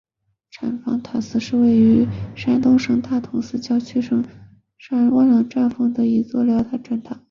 禅房寺塔是位于山西省大同市南郊区塔儿山丈人峰峰顶的一座辽代砖塔。